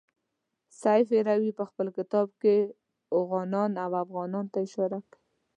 سیف هروي په خپل کتاب کې اوغان او افغان ته اشاره کوي.